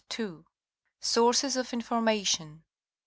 ' Sources oF INFORMATION.